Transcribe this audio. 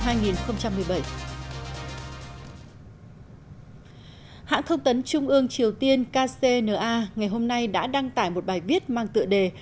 hãng thông tấn trung ương triều tiên kcna ngày hôm nay đã đăng tải một bài viết mang tựa đề